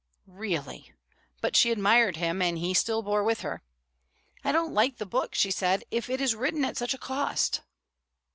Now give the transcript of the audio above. Really! But she admired him, and still he bore with her. "I don't like the book," she said, "if it is written at such a cost."